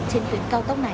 trên tuyến cao tốc này